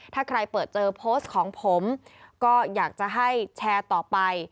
ถ้าใครเปิดเจอโพสต์ของผมก็อยากจะให้แชร์ต่อไป